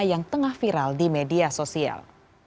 yang tengah viral di media sosial